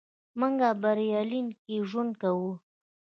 موږ برلین کې ژوند کوو.